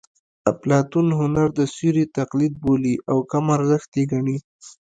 اپلاتون هنر د سیوري تقلید بولي او کم ارزښته یې ګڼي